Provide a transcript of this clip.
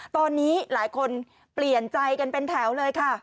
ตอนนี้หลายคนเปลี่ยนใจกันเป็นแถวเลยค่ะ